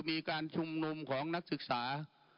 มีการชุมนุมของนักศึกษา